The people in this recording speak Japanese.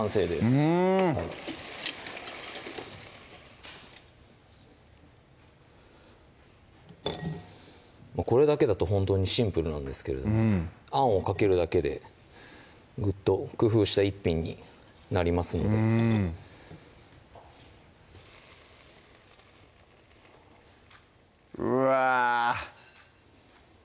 うんこれだけだとほんとにシンプルなんですけれどもあんをかけるだけでグッと工夫した一品になりますのでうわ